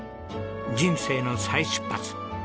人生の再出発。